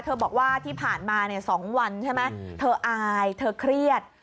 บอกว่าที่ผ่านมาเนี่ย๒วันใช่ไหมเธออายเธอเครียด